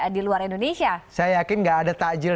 saya sendiri kampus unikal